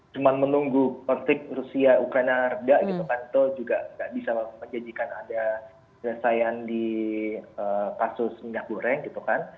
cuma menunggu konflik rusia ukraina reda gitu kan itu juga nggak bisa menjanjikan ada penyelesaian di kasus minyak goreng gitu kan